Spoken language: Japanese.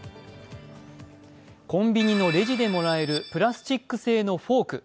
コンビニのレジでもらえるプラスチック製のフォーク